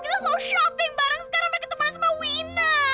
kita selalu shopping bareng sekarang mereka temenan sama wina